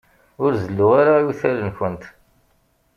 Ur zelluɣ ara iwtal-nkent.